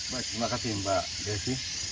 baik terima kasih mbak desi